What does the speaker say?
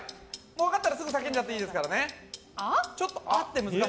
分かったらすぐ叫んじゃっていいですからね。